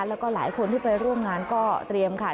แล้วก็หลายคนที่ไปร่วมงานก็เตรียมค่ะ